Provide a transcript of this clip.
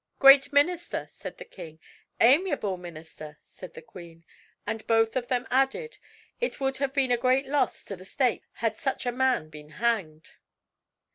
"Great minister!" said the king. "Amiable minister!" said the queen; and both of them added, "It would have been a great loss to the state had such a man been hanged."